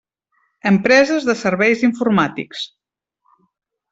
Empreses de serveis informàtics.